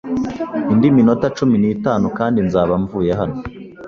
Indi minota cumi n'itanu kandi nzaba mvuye hano.